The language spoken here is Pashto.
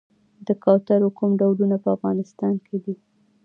د کوترو کوم ډولونه په افغانستان کې دي؟